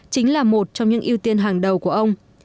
chính là một trong những ưu tiên hàng đầu của ông